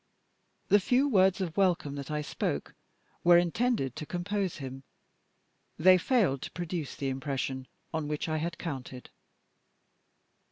The few words of welcome that I spoke were intended to compose him. They failed to produce the impression on which I had counted.